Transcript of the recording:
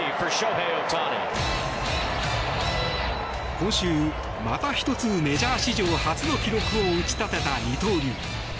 今週、また１つメジャー史上初の記録を打ち立てた二刀流。